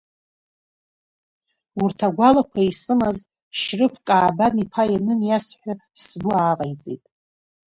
Урҭ агәалақәа исымаз, Шьрыф Каабан-иԥа ианыниасҳәа, сгәы ааҟаиҵеит.